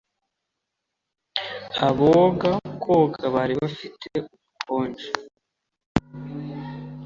Aboga koga bari bafite ubukonje